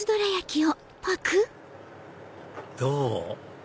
どう？